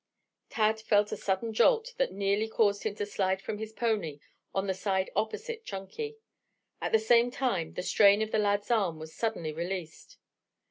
Tad felt a sudden jolt that nearly caused him to slide from his pony on the side opposite Chunky. At the same time, the strain on the lad's arm was suddenly released.